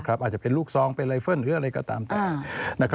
อาจจะเป็นลูกซองเป็นไลเฟิลหรืออะไรก็ตามแต่